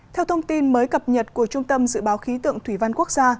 theo thông tin mới cập nhật của trung tâm dự báo khí tượng thủy văn quốc gia